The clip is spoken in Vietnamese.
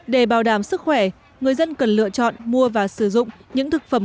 để bảo đảm sức khỏe người dân cần lựa chọn mua và sử dụng những thực phẩm